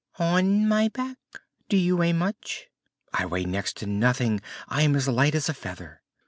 "On my back. Do you weigh much?" "I weigh next to nothing. I am as light as a feather."